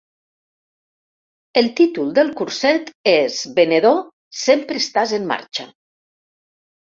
El títol del curset és Venedor, sempre estàs en marxa.